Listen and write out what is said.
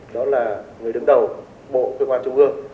đó là người đứng đầu bộ cơ quan trung ương